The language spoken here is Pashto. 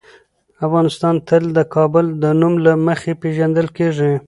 افغانستان تل د کابل د نوم له مخې پېژندل کېږي.